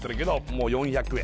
もう４００円